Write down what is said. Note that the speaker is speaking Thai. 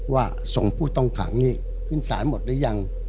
ว่าส่งผู้ต้องขังนี่ขึ้นศาลหมดหรือยัง